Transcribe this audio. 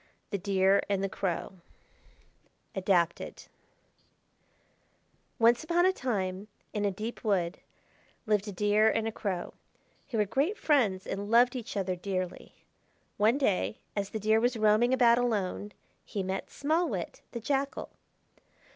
THE DEER AND THE CROW (Adapted) Once upon a time in a deep wood lived a Deer and a Crow, who were great friends and loved each other dearly. One day, as the Deer was roaming about alone, he met Small Wit, the Jackal.